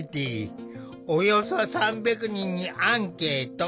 およそ３００人にアンケート。